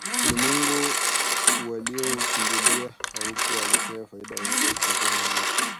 Ulimwengu walioukimbilia haukuwaletea faida yoyote isipokuwa majuto